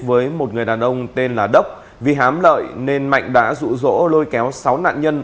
với một người đàn ông tên là đốc vì hám lợi nên mạnh đã rụ rỗ lôi kéo sáu nạn nhân